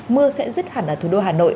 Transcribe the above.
mưa sẽ dứt hẳn ở thủ đô hà nội